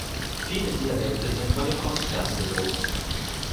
Viele Dialekte sind vor dem Aussterben bedroht.